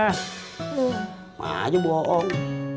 nggak aja bohong